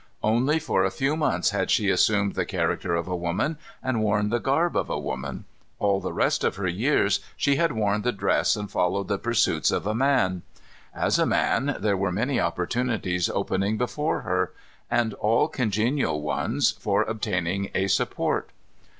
Only for a few months had she assumed the character of a woman, and worn the garb of a woman. All the rest of her years she had worn the dress and followed the pursuits of a man. As a man, there were many opportunities opening before her, and all congenial ones, for obtaining a support.